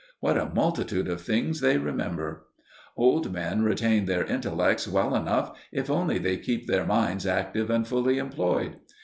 What a multitude of things they remember! Old men retain their intellects well enough, if only they keep their minds active and fully employed.